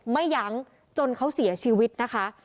ยั้งจนเขาเสียชีวิตนะคะ